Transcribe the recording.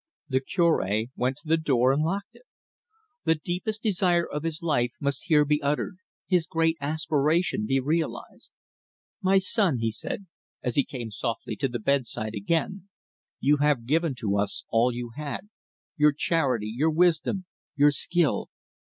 The Cure went to the door and locked it. The deepest desire of his life must here be uttered, his great aspiration be realised. "My son," he said, as he came softly to the bedside again, "you have given to us all you had your charity, your wisdom, your skill.